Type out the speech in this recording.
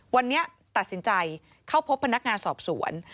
วันนี้ตัดสินใจเข้าพบพนักงานสอบสวน